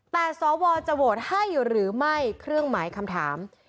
แต่สวจะโหวตให้หรือไม่เครื่องหมายคำถาม